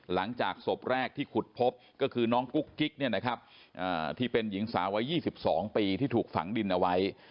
หลังจากศพแรกที่ขุดพบก็คือน้องกุ๊กกิ๊กที่เป็นหญิงสาววัย๒๒ปีที่ถูกฝังดินเอาไว้